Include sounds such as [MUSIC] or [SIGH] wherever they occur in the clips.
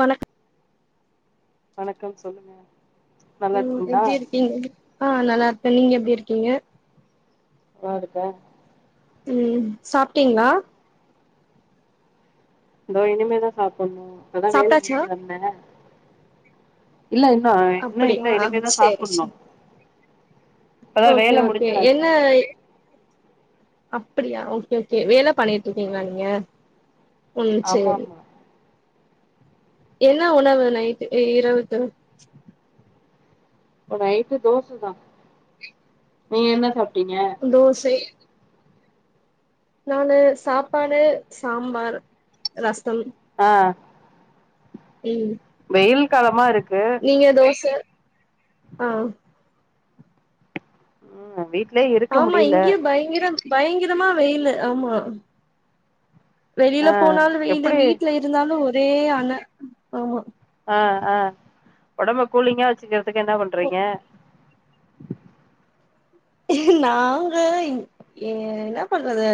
வணக் வணக்கம் சொல்லுங்க நல்லா ம் இருக்கீங்களா எப்படி இருக்கீங்க ஆ நல்லா இருக்கேன் நீங்க எப்படி இருக்கீங்க நல்லாருக்கே ம் சாப்பிட்டீங்களா தோ இனிமேதா சாப்புன்ணு இப்பதா வேல சாப்ட்டாச்சுங்க முடிஞ்சு வந்தே இல்ல இன்னு இன்னு இல்ல அப்படியா இனிமேதா சேரி சாப்புன்ணு சேரி ஓகே ஓகே என்ன அப்பிடியா ஓகே ஓகே வேலை பண்ணிட்டு இருக்கீங்களா நீங்க ம் ஆமா சேரி ஆமா என்ன உணவு நைட்டு இ இருவுக்கு ஓ நைட்டு தோச தா நீங்க என்ன சாப்பிட்டீங்க தோசை நானு சாப்பாடு சாம்பார் ரசம் ஆ ம் வெயில் காலமாருக்கு நீங்க தோச ஆ ம் வீட் ஆமா இங்கேயு பயங்கர பயங்கரமா வெயிலு ஆமா வெளில ஆ போனாலு வெயிலு எப்டி வீட்ல இருந்தாலு ஒரே அண ஆமா ஆ ஆ ஒடம்பு கூலிங்கா வச்சுக்கிறதுக்கு என்ன பண்றீங்க நாங்க இங் ஏ என்ன பண்றது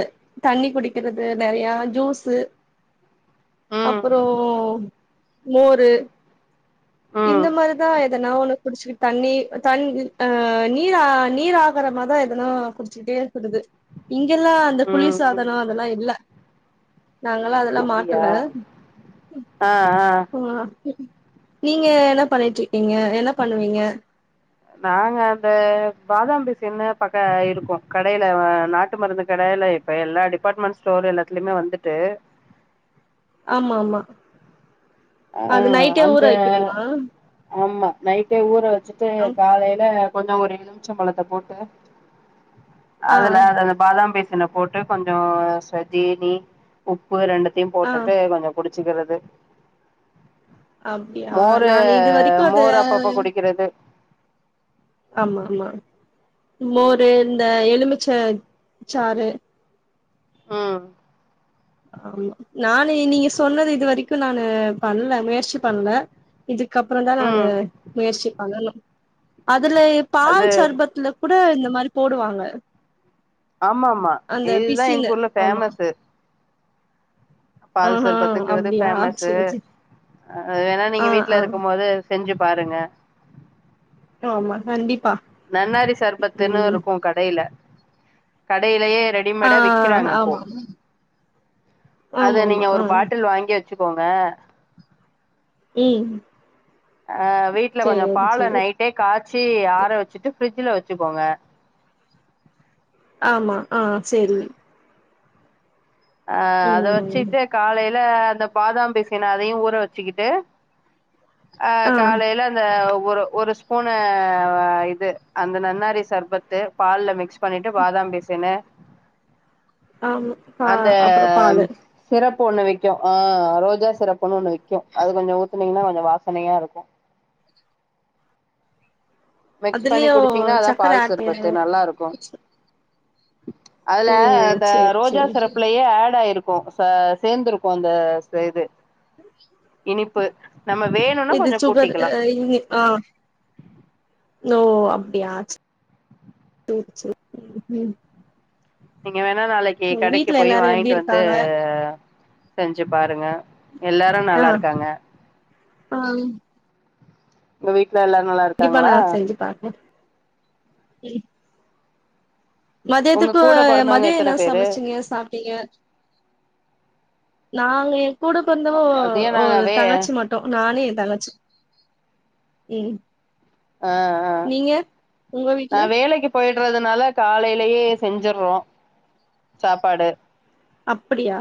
தண்ணி குடிக்கிறது நெறையா ஜூஸ்ஸு ம் அப்பறோ மோரு இந்த ம் மாறிதா எதனா ஒண்ணு குடிச்சுக் தண்ணி தண்ணி அ அ நீர் ஆ நீர் ஆகாரமா தா எதனா குடிச் சிட்டே இருக்கறது இங்கெல்லா அந்த குளிர் ம் ம் சாதனோ அதெல்லா இல்ல நாங்கள்லா அதெல்லா அப்டியா மாட்டல ஆ ஆ ஆ நீங்க என்ன பண்ணிட்டு இருக்கீங்க என்ன பண்ணுவீங்க நாங்க அந்த பாதம் பிசின்னு பக்க இருக்கு கடையில நாட்டு மருந்து கடையில இப்ப எல்லா டிபார்ட்மெண்ட் ஸ்டோர் எல்லாத்துலயுமே வந்துட்டு ஆமாமா ஆ அந்த வைக்கணுமா ஆமா நைட்டே ஊற வச்சுட்டு ஆ காலையில கொஞ்சோ ஒரு எலுமிச்சம் பழத்த போட்டு ஆ அதுல அதுல பாதாம் பீசுன போட்டு கொஞ்சோ அ ஜீனி உப்பு ரெண்டுத்தையு ஆ போட்டுட்டு கொஞ்சோ குடிச்சுக்கிறது அப்டியா மோரு நான் இது வரைக்கு அத மோர் அப்பப்ப குடிக்கிறது ஆமாமா ம் மோரு இந்த எலுமிச்ச சாறு ம் ஆமா நானு நீங்க சொன்னது இது வரைக்கு நானு பண்ணல முயற்சி பண்ணல இதுக்கப்பறோ தா நானு ம் முயற்சி பண்ணணு அதுல அது பால் சர்பத்துல கூட இந்த மாரி போடுவாங்க ஆமா ஆமா அந்த இதுதா எங்க பிசின்னு ஊர்ல ஆமா ஃபேமஸு பால் ஆஹா சர்பத்துங்குறது அப்டியா பேமஸ்சு சேரி சேரி அது வேணா நீங்க ஆ வீட்ல ஆ இருக்கும் போது செஞ்சுபாருங்க ஆமா கண்டிப்பா நன்னாரி சர்பத்துன்னு ம் ருக்கு கடையில கடையிலயே ரெண் ஆ ரெடிமேடா விக்கிறாங்கப்போ ஆமா அத ஆமா ஆமா நீங்க ஆ ஒரு பாட்டில் வாங்கி வ வச்சுக்கோங்க ம் ஆ வீட்ல கொஞ்ச சேரி பால சேரி நைட்டே காய்ச்சி ஆற வச்சுட்டு ஃப்ரிஜ்ஜுல வச்சுக்கோங்க ஆமா ஆ சேரி அ அத ம் வச்சுட்டு காலையில அந்த பாதாம் பிசின் அதையு ஊற வச்சுக்கிட்டு அ ஆ காலையில அந்த ஒரு ஒரு ஸ்பூனு இது அந்த நன்னாரி சர்பத்து பால்ல மிக்ஸ் பண்ணிட்டு பாதாம்பிசின்னு ஆமா பா அந்த அப்புறோ பாலு சிரப்பு ஒன்னு விக்கு அ ரோஜா சிரப்புன்னு ஒன்னு விக்கு அது கொஞ்ச ஊத்துனீங்கன்னா கொஞ்ச வாசனையா ருக்கு மிக்ஸ் பண்ணி அதுலயு குடிச்சீங்னா அதா சக்கர பால் ஆட் பண்ணு சர்பத்து நல்லா ருக்கு அதுல ஓ இந்த சேரி ரோஜா சேரி சிரப்புலயே ஆட் ஆயிருக்கு ச சேந்துருக்கு அந்த இது இனிப் நம்ம வேணு இது சுகர் இங்ஙி அ ஓ அப்டியா சேரி சேர் ம் நீங்க வேணா நாளக்கி கடக்கு வீட்ல போயி எல்லாரு எப்டி வாங்கிட் வந்து இருக்காங்க செஞ்சு பாருங்க எல்லாரு ஆ நல்லா ருக்காங்க ஆ உங்க வீட்ல எல்லாரு நல்லா கண்டிப்பா நா இருக்காங்களா செஞ்சு பாக்ற உங்க மதியத்துக்கு கூட பொறந்தவங்க மதியொ என்ன எத்தன பேரு சமச்சிங்க சாப்பிட்டீங்க நாங்க எ கூட பொறந்தவ அது ஏ நாங்க ஒரு வே தங்கச்சி மட்டு ட்டு நானு எ தங்கச்சி உம் ஆ ஆ உங்க நா வீட்ல வேலக்கி போயிட்றதுனால காலையிலயே செஞ்சிற்றோ சாப்பாடு அப்படியா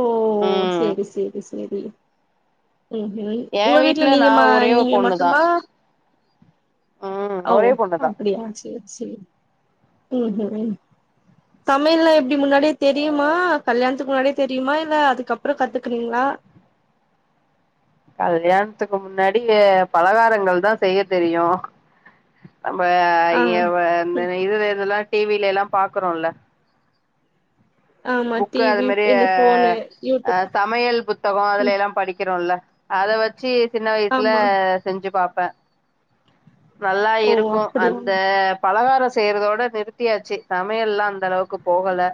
ஓ ம் சேரி சேரி சேரி ம்ஹும் ஏ உங்க வீட்ல நா நீங்க மா ஒரே ஒரு நீங்க பொண்ணுதா மட்டுமா ம் ஓ ஒரே பொண்ணுதா அப்டியா சேர் சேரி உம்ஹு சமையல்லா எப்டி முன்னாடியே அ தெரியுமா கல்யாணத்துக்கு முன்னாடியே தெரியுமா இல்ல அதுக்குக்கப்றொ கத்துக்குனீங்ளா கல்யாணத்துக்கு முன்னாடி பலகாரங்கள் தா செய்ய தெரியு நம்ம ஆ ம் இது இதெல்லா டிவிலெல்லா பாக்குறோல்ல ஆமா புக்கு அது டிவி மாரி இந்த ஃபோனு ஆ யூடியூப் சமையல் புத்தகொ அதுல ம் எல்லா படிக்கிறோல்ல அத வச்சு சின்ன வயசுல ஆமா செஞ்சு பாப்பே நல்லா ஓ இருக்கு அப்டியா அந்த பலகாரொ செய்யறதோட நிறுத்தியாச்சு சமையல்லாஅந்த அளவுக்கு போகல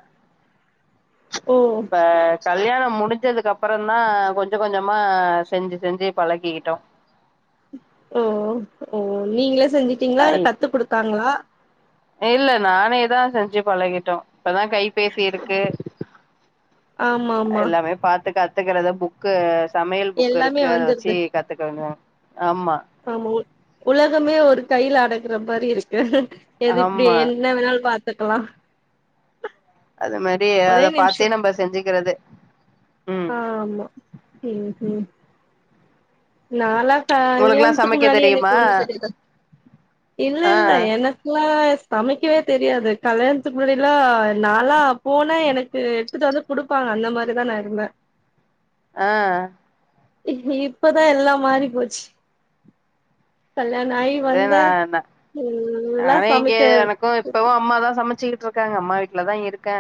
ம் ஆ கல்யாணொ முடிஞ்சுதுக்கு அப்பரந்தா கொஞ்ச கொஞ்சமா செஞ்சு செஞ்சு பழகிக்கிட்டோ ஓ ஓ நீங்களே செஞ்சுட்டீங்ளா ஆ இல்ல கத்து குடுத்தாங்ளா இல்ல நானே தா செஞ்சு பழகிட்டோ இப்பதா கை பேசி இருக்கு ஆமா ஆமா எல்லாமே பாத்து கத்துகிறத புக் புக்கு சமையல் புக் எல்லாமே இருக்கு அத வச்சு வந்துருது கத்துக்கோங்க ஆமா ஆமா உ உலகமே ஒரு கைல அடக்குற மாரி இருக்கு எதுக்கு இப்டி ஆமா என்ன வேணாலு பாத்துக்கலா அத மாரி ஒரே அத நிமிஷோ பாத்தே நம்ப செஞ்சுக்கிறது ம் ஆமா ம் ஹும் நாலா உங்களுக்குல்லா கல்யாணத்துக்கு சமைக்க முன்னாடியே எனக்கு தெரியுமா ஒன்ன தெரியாத இல்ல ஆ இல்ல எனக் குலா சமைக்கவே தெரியாது கல்யாணத்துக்கு முன்னாடிலா நாலா போனா எனக்கு எடுத்துட்டு வந்து குடுப்பாங்க அந்த மாரிதா நா இருந்தே ஆ இப்பதா எல்லா மாறி போச்சு கல்யாண ஆயி வந்தே நானா இங்கே எனக்கு இப்பவு அம்மாதா சமைச்சுக்கிட்டு ருக்காங்க அம்மா வீட்ல தா இருக்கே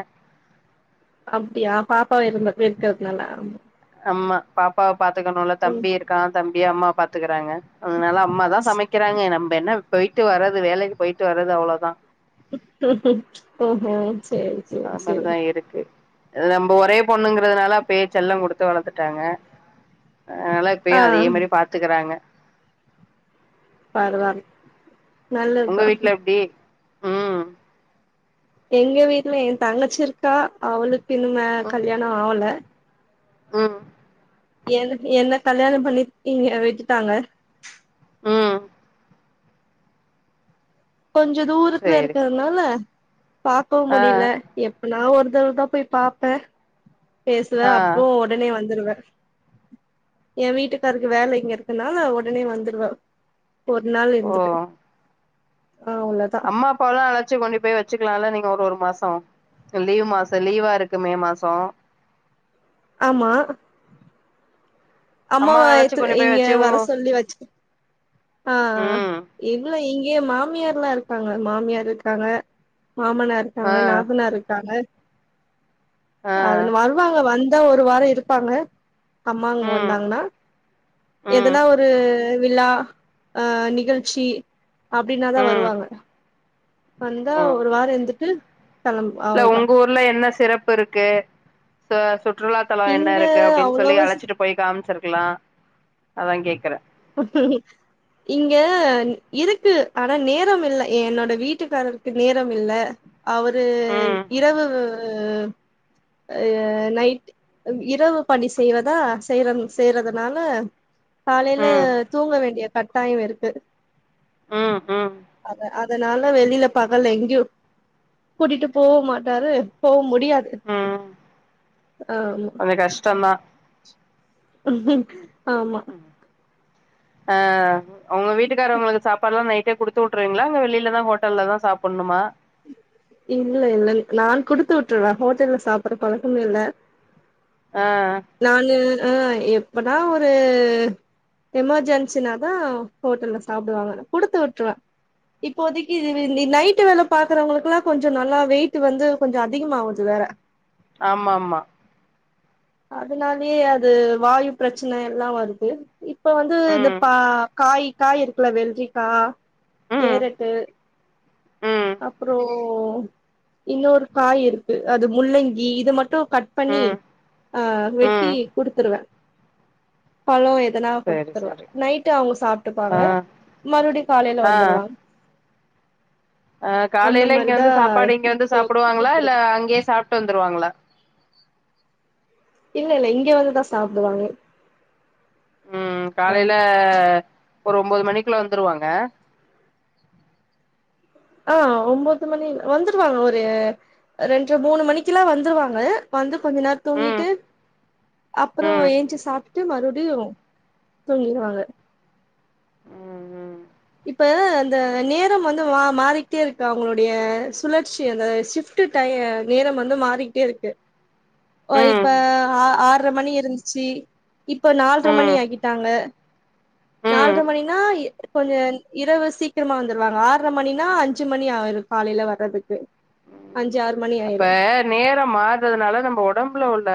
அப்டியா பாப்பாவு இருந்த இப்ப இருக்கிறதுனால அம்மா பாப்பாவ பாத்துக்கணுல ம் தம்பி இருக்கா தம்பிய அம்மா பாத்துக்கிறாங்க அதனால அம்மாதா சமைக்கிறாங்க நம்ம என்ன போயிட்டு வர்றது வேலைக்கு போயிட்டு வர்றது அவ்ளோதா ஓ ஹோ சேரி சேரி அது சேரி மாரிதா இருக்கு அது நம்ம ஒரே பொண்ணுங்கிறதுனால அப்பயே செல்ல குடுத்து வளத்துட்டாங்க அதனாலா இப்பயு ஆ அதே மாரியே பாத்துக்கிறாங்க பரவால்ல நல்லது உங்க தா வீட்ல எப்டி ம் எங்க வீட்ல எ தங்கச்சி இருக்கா அவளுக்கு இன்னுமே ம் கல்யாண ஆவல ம் எனக் என்ன கல்யாண பண்ணி இங்க விட்டுட்டாங்க ம் கொஞ்சோ தூரத்துல சேரி சேரி இருக்கிறதுனால பாக்கவு ஆ முடில எப்பனா ஒரு தடவ தா போய் பாப்பே பேசுவே ஆ அப்போ ஒடனே வந்துருவே எ வீட்டுக்காருக்கு வேல இங்க இருக்குறனால ஒடனே வந்துருவ ஒரு நாள்ல ஓ இருந்துப்பே அவ்ளோதா அம்மா அப்பால்லா அழச்சு கொண்டு போய் வச்சுக்கலால நீங்க ஒரு ஒரு மாசோ த லீவ் மாச லீவா இருக்கு மே மாசோ ஆமா அம்மா அம்மாவ அழச்சு இத்து கொண்டு போய் இங்க வச்சு வர உங்க சொல்லி வச்சுக்க ஆ ஆ ம் இல்ல இங்கேயே மாமியார் ல்லா இருக்காங்க மாமியார் இருக்காங்க மாமனார் ஆ இருக்காங்க நாத்தனார் இருக்காங்க ஆ அதுன்னு வருவாங்க வந்தா ஒரு வாரோ இருப்பாங்க அம்மாங்க ம் வந்தாங்கன்னா ம் எதனா ஒரு விழா ஆ நிகழ்ச்சி அப்டினாதா ம் வருவாங்க வந்தா ம் ஒரு வாரோ இருந்துட்டு கெளம்பு அவ்ளோ தா உள்ள என்ன சிறப்பு இருக்கு ச சுற்றுலாத்தலோ என்ன இங்க இருக்கு அப்டின்னு சொல்லி அவ்ளோவா அழச்சிட்டு போய் காமிச்சிருக்கலா அதான் கேட்கறே இங்க இருக்கு ஆனா நேரமில்ல எ என்னோட வீட்டுக்காரருக்கு நேரம் இல்ல அவரு ம் இரவு வ்வு அ நைட்டு அம் இரவு பணி செய்வதா செய்ற செய்றதுனால காலே ம் தூங்க வேண்டிய கட்டாய இருக்கு ம் ம் ஆமா அ அதனால வெளியில பகல்ல எங்கேயு கூட்டிட்டு போக மாட்டாரு போக முடியாது ம் ஆமா கொஞ்ச கஷ்டந்தா ஆமா அ உங்க வீட்டுக்கார உங்களுக்கு சாப்பாடுல்லா நை ட்டே குடுத்து விட்ருவீங்களாங் வெளிலதா ஹோட்டல்லலதா சாப்பணுமா இல்ல இல்ல நா குடுத்து விட்டுருவே ஹோட்டல்ல சாப்படுற பழக்கமே இல்ல ஆ நானு ஆ எப்பதா ஒரு எமர்ஜென்சினாதா ஹோட்டல்ல சாப்டுவாங்க குடுத்து விட்டுருவே இப்போதைக்கு இது இந்த நைட்டு வேலை பாக்குறவங்களுக்குல்லா கொஞ்ச நல்லா வெயிட் வந்து கொஞ்ச அதிகமாகுது வேற ஆமாமா அதனாலயே அது வாயு பிரச்சனை எல்லா வருது இப்ப வந்து இந்த ம் பா காய் காய் இருக்குல வெல்ரிக்கா ம் கேரட்டு ம் அப்லறோம் இன்னொரு காய் இருக்கு அது முள்ளங்கி இது மட்டு கட் பண்ணி ம் ஆ வெட்டி ம் குடுத்துருவே பலோ எதனா சேரி குடுத்துருவ சேரி நைட்டு அவங்க சாப்ட்டுப்பாங்க ஆ மறுபடியு காலையில வந்துருவாங்க அ அந்த காலையில இங்க மாரிதா வந்து சாப்பாடு இங்க வந்து இப்போ சாப்புடுவாங்களா இல்ல அங்கயே சாப்ட்டு வந்துருவாங்களா இல்ல இல்ல இங்க வந்துதா சாப்டுவாங்க ம் ஆம் காலையில ஒரு ஒம்போது மணிக்குல வந்துருவாங்க ஆ ஒம்போது மணி வந்துருவாங்க ஒரு ரெண்டர மூணு மணிக்கெல்லா வந்துருவாங்க வந்து கொஞ்ச நேர ம் தூங்கிட்டு அப்பறோ ம் ஏஞ்ச்சி சாப்ட்டு மறுபடியு தூங்கிருவாங்க ம் இப்ப அந்த நேரம் வந்து மா மாறிட்டே இருக்கு அவங்களுடைய சுழற்சி அந்த ஷிப்ட் டு டயம் நேர வந்து மாறிட்டே இருக்கு ஓ அ இப்ப ம் ஆ ஆற மணி இருந்துச்சு இப்ப நால்ர மணி ம் ஆக்கிடான்ங்க ம் நால்ர மணினா கொஞ்ச இரவு சீக்கிரமா வந்துருவாங்க ஆறர மணினா அஞ்சு மணி ஆயிரு காலேல வர்றதுக்கு ம் அஞ் ஆறு மணி அப்ப ஆயிரு நேரம் மாறதுனால நம்ம ஒடம்புல உள்ள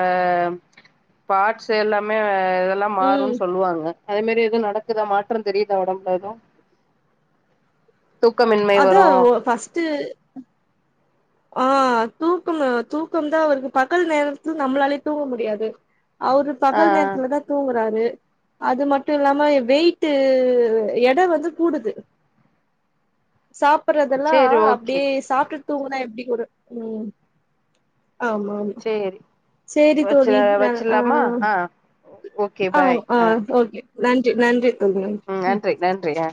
பாட்ஸ் எல்லாமே இதெல்லா ம் மாறும்ன்னு சொல்லுவாங்க அதே மாரி எதுவு நடக்குதா தெரியுதா ஒடம்புல எதுவு தூக்கமின்மை வரு பஸ்ட்டு ஆ தூக்கமு தூக்கம் தா வருது பகல் நேரத்ல நம்மளாலே தூங்க முடியாது அவரு ஆ பகல் நேரத்துலதா தூங்குறாரு அது மட்டு இல்லாம எ வெய்ட்டு எட வந்து கூடுது சாப்பறதெல்லா சேரி ஓகே அப்டியே சாப்ட்டுட்டு தூங்குனா எப்படி கூட ம் ஆமா ஆமா சேரி சேரி வச்சு தோழி ந ஆ வச்சிடலாமா ஆ ஓகே ஆ பாய் ஆ ஓகே நன்றி நன்றி தோழி நன்றி ம் நன்றி நன்றி ஆ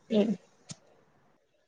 [UNINTELLIGIBLE]